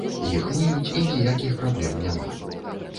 Іх мыюць і ніякіх праблем няма.